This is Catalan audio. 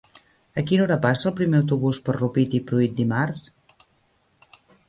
A quina hora passa el primer autobús per Rupit i Pruit dimarts?